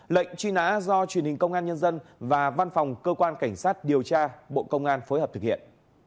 lệnh truy nã do truyền hình công an nhân dân và văn phòng cơ quan cảnh sát điều tra bộ công an phối hợp thực hiện